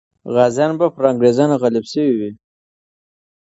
غازیان به پر انګریزانو غالب سوي وي.